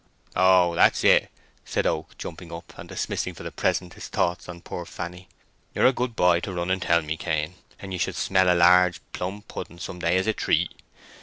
"Oh, that's it," said Oak, jumping up, and dimissing for the present his thoughts on poor Fanny. "You are a good boy to run and tell me, Cain, and you shall smell a large plum pudding some day as a treat.